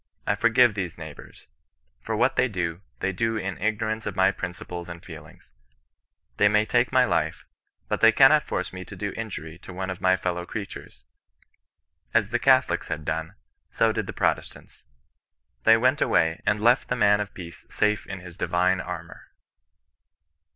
I forgire these neighbours ; for what they do, they do in ignorance of my principles and feelings. They may take my life, but they cannot force me to do injury to one of my fel low creatures." As the Catholics had done, so did the Protestants ; they went away, and left the man of peace safe in his divine armour.